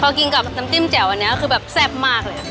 พอกินกับน้ำจิ้มแจ๋วอันนี้คือแบบแซ่บมากเลย